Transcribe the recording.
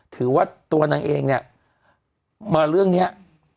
ถือว่าตัวนางเองเนี่ยมาเรื่องนี้